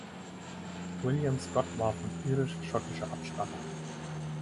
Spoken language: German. William Scott war von irisch-schottischer Abstammung.